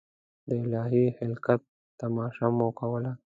د الهي خلقت تماشه مو کوله.